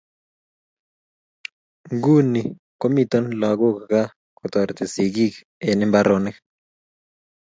Nguni komito lagok kaa ko tareti sigik eng mbaronik